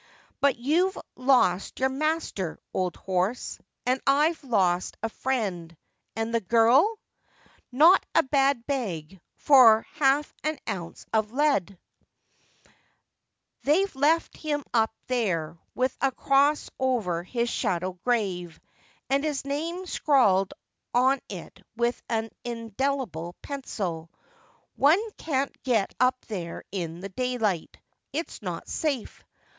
But you've lost your master, old horse ; and I've lost a friend : and the girl ? Not a bad bag, for half an ounce of lead !••••• They've left him up there, with a cross over his shallow grave, and his name scrawled on it with an indelible pencil. One can't get up there in the daylight — it's not safe.